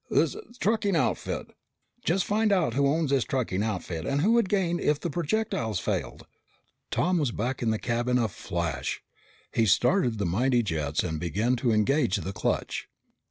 "The trucking outfit! Just find out who owns this trucking outfit and who would gain if the projectiles failed." Tom was back in the cab in a flash. He started the mighty jets and began to engage the clutch.